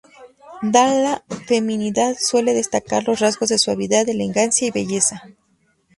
De la feminidad suele destacar los rasgos de suavidad, elegancia y belleza.